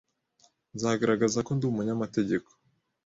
Nzagaragaza ko ndi umunyamategeko